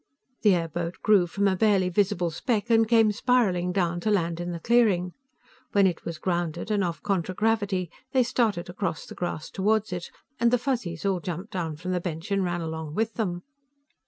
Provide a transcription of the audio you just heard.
The airboat grew from a barely visible speck, and came spiraling down to land in the clearing. When it was grounded and off contragravity, they started across the grass toward it, and the Fuzzies all jumped down from the bench and ran along with them.